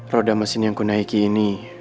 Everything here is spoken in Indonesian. roda mesin yang ku naiki ini